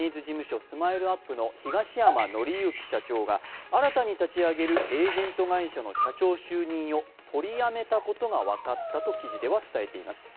東山紀之社長が新たに立ち上げるエージェント会社の社長就任を取りやめたことが分かったと記事は伝えています。